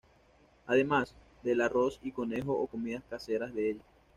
Además, del arroz y conejo o comidas caseras de olla.